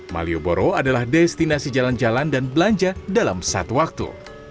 malioboro adalah destinasi jalan jalan dan belanja dalam satu waktu